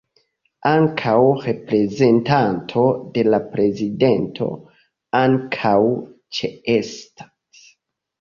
Ankaŭ reprezentanto de la prezidento ankaŭ ĉeestas.